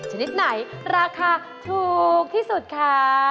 ชนิดไหนราคาถูกที่สุดคะ